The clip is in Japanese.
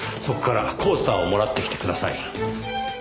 そこからコースターをもらってきてください。